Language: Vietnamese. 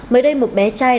mới đây một bé trai